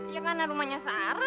ya karena rumahnya sara